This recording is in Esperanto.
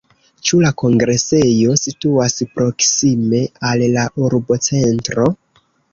Ĉu la kongresejo situas proksime al la urbocentro?